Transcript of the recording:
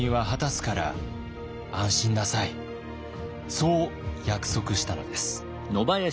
そう約束したのです。